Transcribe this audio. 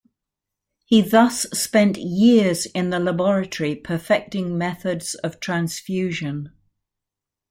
He thus spent years in the laboratory perfecting methods of transfusion.